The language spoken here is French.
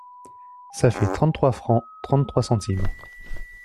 Ca fait trente-trois francs, trente-trois centimes.